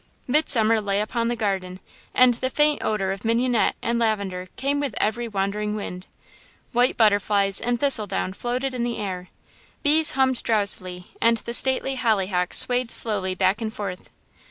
Midsummer lay upon the garden and the faint odour of mignonette and lavender came with every wandering wind. White butterflies and thistledown floated in the air, bees hummed drowsily, and the stately hollyhocks swayed slowly back and forth.